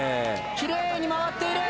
きれいに回っている。